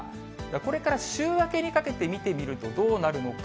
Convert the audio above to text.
これから週明けにかけて見てみると、どうなるのか。